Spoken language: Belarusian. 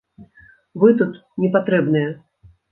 Вы тут не патрэбныя!